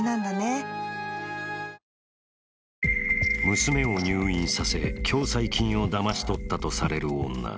娘を入院させ共済金をだまし取ったとされる女。